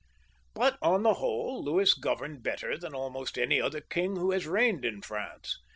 But on the whole Louis governed better than almost any other king who has reigned in France.